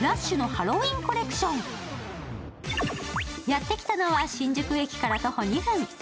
やってきたのは新宿駅から徒歩２分。